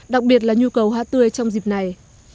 đặc biệt là nhu cầu hoa tươi trong dịp này